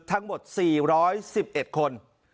ทั้งหมด๔๑๑คน